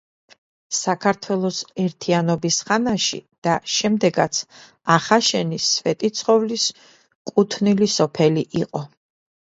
საქართველოს ერთიანობის ხანაში და შემდეგაც ახაშენი სვეტიცხოვლის კუთვნილი სოფელი იყო.